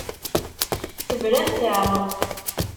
Tebramt-aɣ.